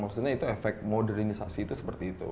maksudnya itu efek modernisasi itu seperti itu